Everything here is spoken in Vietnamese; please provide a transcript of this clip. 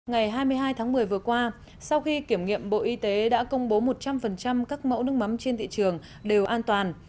ngày hai mươi hai tháng một mươi vừa qua sau khi kiểm nghiệm bộ y tế đã công bố một trăm linh các mẫu nước mắm trên thị trường đều an toàn